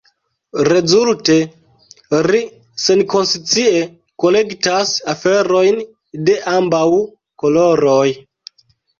Rezulte, ri senkonscie kolektas aferojn de ambaŭ koloroj.